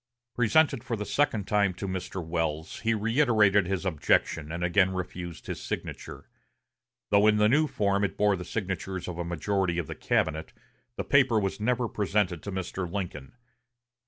Presented for the second time to Mr. Welles, he reiterated his objection, and again refused his signature. Though in the new form it bore the signatures of a majority of the cabinet, the paper was never presented to Mr. Lincoln.